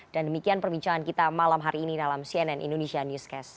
dan demikian perbincangan kita malam hari ini dalam cnn indonesia newscast